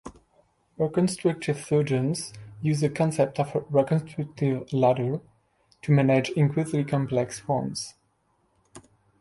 Reconstructive surgeons use the concept of a "reconstructive ladder" to manage increasingly complex wounds.